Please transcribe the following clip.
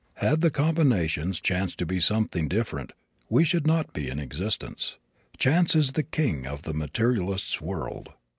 Had the combinations chanced to be something different we should not be in existence. Chance is the king of the materialist's world.